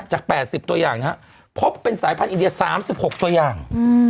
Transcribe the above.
จาก๘๐ตัวอย่างนะครับพบเป็นสายพันธุอินเดีย๓๖ตัวอย่าง